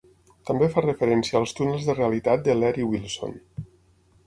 També fa referència als túnels de realitat de Leary-Wilson.